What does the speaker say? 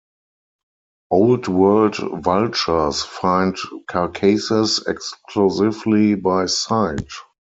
Old World vultures find carcasses exclusively by sight.